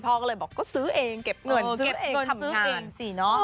พ่อก็เลยบอกก็ซื้อเองเก็บเงินซื้อเองทำงาน